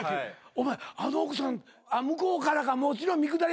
お前あの奥さん向こうからかもちろん三くだり半か。